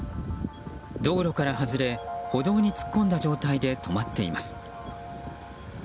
道路から外れ、歩道に突っ込んだ状態で止まっています。